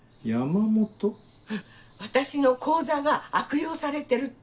私の口座が悪用されてるって。